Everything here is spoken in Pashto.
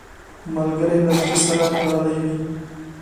ملګری له زړه سره تړلی وي